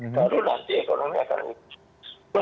lalu nanti ekonomi akan ikut